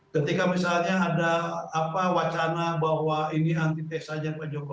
ketika misalnya ada wacana bahwa ini antitesa aja pak joko